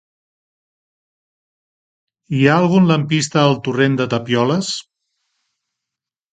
Hi ha algun lampista al torrent de Tapioles?